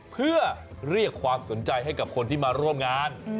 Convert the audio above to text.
เพื่อเรียกความสนใจให้กับคนที่มาร่วมงาน